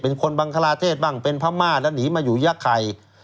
เป็นคนบังคลาเทศบ้างเป็นพม่าแล้วหนีมาอยู่ยะไข่